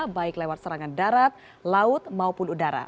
baik lewat serangan darat laut maupun udara